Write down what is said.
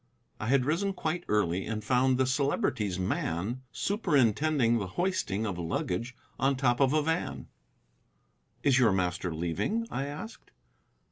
I had risen quite early, and found the Celebrity's man superintending the hoisting of luggage on top of a van. "Is your master leaving?" I asked.